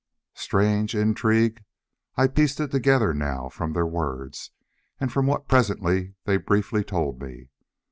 Strange intrigue! I pieced it together now, from their words, and from what presently they briefly told me.